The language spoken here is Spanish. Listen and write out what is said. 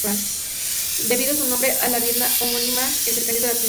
Debe su nombre a la avenida homónima en cercanías de la estación.